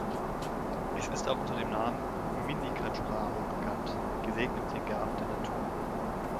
Es ist auch unter dem Namen „Mini-Khajuraho“ bekannt, gesegnet mit den Gaben der Natur.